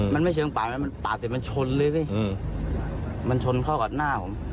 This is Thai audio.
มันไม่เชิงปากแล้วมันปาดแต่มันชนเลยสิมันชนเข้ากับหน้าผม